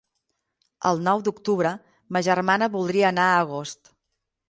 El nou d'octubre ma germana voldria anar a Agost.